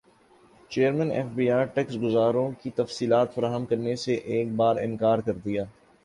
chairman F B R کا tax گزاروں کی تفصیلات فراہم کرنے سے ایک بارانکار کردیا